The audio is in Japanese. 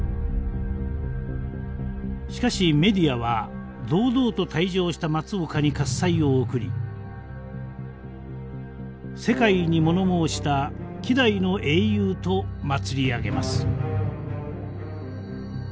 しかしメディアは堂々と退場した松岡に喝采を送り世界にもの申した希代の英雄と祭り上げます。